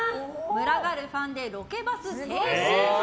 群がるファンでロケバス停止！